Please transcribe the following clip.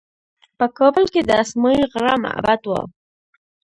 په کابل کې د اسمايي غره معبد و